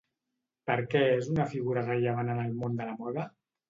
Per què és una figura rellevant en el món de la moda?